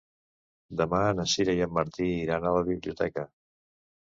Demà na Sira i en Martí iran a la biblioteca.